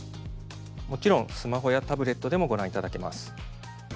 もちろんスマホやタブレットでもご覧いただけます。